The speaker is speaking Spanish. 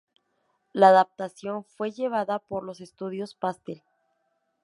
La adaptación fue llevada por los estudios Pastel.